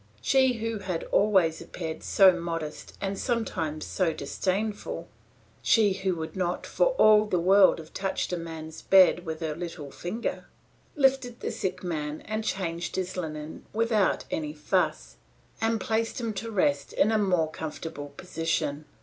She who had always appeared so modest and sometimes so disdainful, she who would not for all the world have touched a man's bed with her little finger, lifted the sick man and changed his linen without any fuss, and placed him to rest in a more comfortable position.